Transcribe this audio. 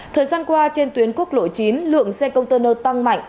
thời gian qua trên tuyến quốc lộ chín lượng xe công tơ nâu tăng mạnh